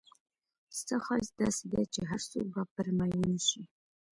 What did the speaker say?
ستا ښایست داسې دی چې هرڅوک به پر مئین شي.